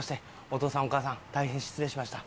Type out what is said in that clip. お義父さんお義母さん大変失礼しました。